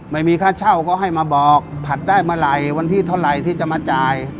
ไม่มีค่าเช่าก็ให้มาบอกผัดได้เมื่อไหร่วันที่เท่าไหร่ที่จะมาจ่าย